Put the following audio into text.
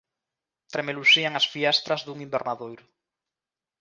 Tremelucían as fiestras dun invernadoiro.